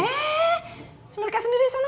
eh setrika sendiri suno